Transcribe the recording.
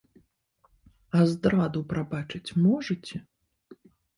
А здраду прабачыць можаце?